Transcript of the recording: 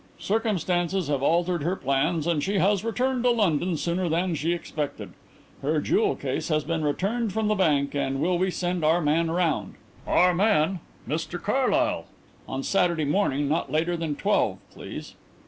Circumstances have altered her plans and she has returned to London sooner than she expected. Her jewel case has been returned from the bank, and will we send our man round 'our man,' Mr Carlyle! on Saturday morning not later than twelve, please."